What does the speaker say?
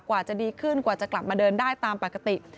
กว่าจะดีขึ้นกว่าจะกลับมาเดินได้ตามปกติ